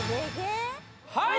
はい！